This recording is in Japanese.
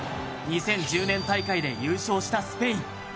２０１０年大会で優勝したスペイン。